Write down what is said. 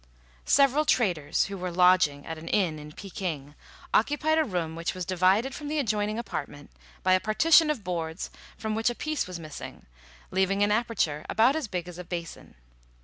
Several traders who were lodging at an inn in Peking, occupied a room which was divided from the adjoining apartment by a partition of boards from which a piece was missing, leaving an aperture about as big as a basin.